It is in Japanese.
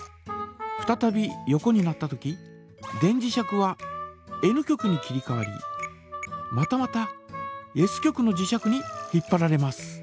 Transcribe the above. ふたたび横になったとき電磁石はＮ極に切りかわりまたまたＳ極の磁石に引っぱられます。